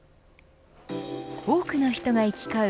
多くの人が行き交う